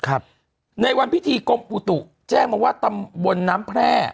ครับในวันพิธีกรมอุตุแจ้งมาว่าตำบลน้ำแพร่